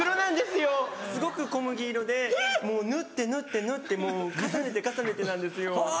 すごく小麦色でもう塗って塗って塗ってもう重ねて重ねてなんですよ。